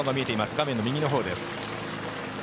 画面の右のほうです。